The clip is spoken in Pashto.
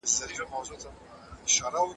د درنې او سپېڅلې پښتو ژبې کمزوري کول غواړي